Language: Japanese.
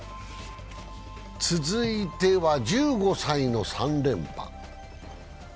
続いては１５歳の３連覇。